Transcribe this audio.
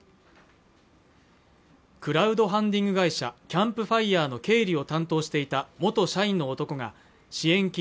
クラウドファンディング会社キャンプファイヤーの経理を担当していた元社員の男が支援金